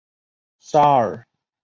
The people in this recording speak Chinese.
沙尔蒂扎克人口变化图示